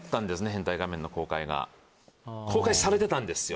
「変態仮面」の公開が公開されてたんですよ